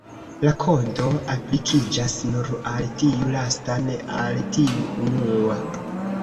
La Kodo aplikiĝas nur al tiu lasta, ne al tiu unua.